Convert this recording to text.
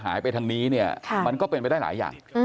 หายไปทางนี้เนี่ยมันก็เป็นไปได้หลายอย่าง